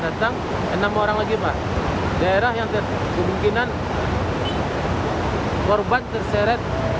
dalam menumpang ada delapan orang yang baru kita temukan korban ada tiga orang